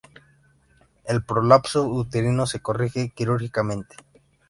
El prolapso uterino se corrige quirúrgicamente.